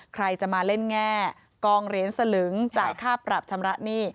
ใครจะมาเล่นแง่กองเหรียญสลึงจ่ายค่าปรับชำระหนี้